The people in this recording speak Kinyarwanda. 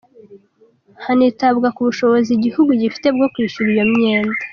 Hanitabwa ku bushobozi igihugu gifite bwo kwishyura iyo myenda.